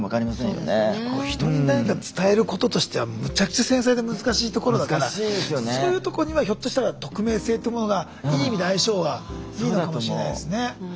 こう人に何か伝えることとしてはむちゃくちゃ繊細で難しいところだからそういうとこにはひょっとしたら匿名性ってものがいい意味で相性はいいのかもしれないですね。